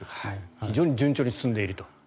非常に順調に進んでいると。